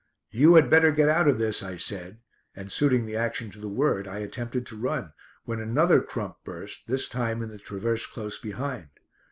"You had better get out of this," I said, and suiting the action to the word I attempted to run, when another crump burst, this time in the traverse close behind.